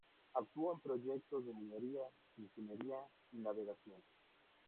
Actuó en proyectos de minería, ingeniería y navegación.